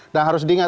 nah harus diingat